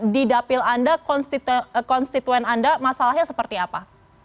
di dapil anda konstituen anda masalahnya seperti apa